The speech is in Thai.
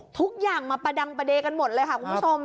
ทุกอย่างมาประดังประเด็นกันหมดเลยค่ะคุณผู้ชม